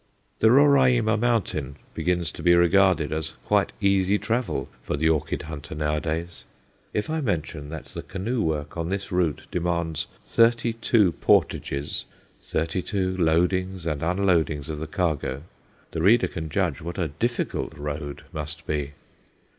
The Roraima Mountain begins to be regarded as quite easy travel for the orchid hunter nowadays. If I mention that the canoe work on this route demands thirty two portages, thirty two loadings and unloadings of the cargo, the reader can judge what a "difficult road" must be.